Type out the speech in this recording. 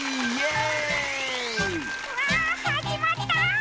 うわーはじまった。